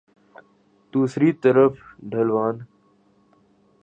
دوسری طرف ڈھلوان